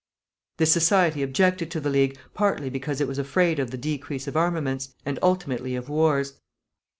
This society objected to the League partly because it was afraid of the decrease of armaments, and ultimately of wars.